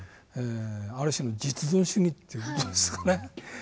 ある種の実存主義という事ですかね。